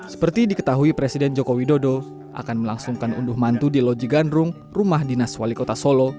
seperti diketahui presiden joko widodo akan melangsungkan unduh mantu di loji gandrung rumah dinas wali kota solo